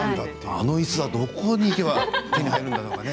あのいすはどこに行けば手に入るんだとかね。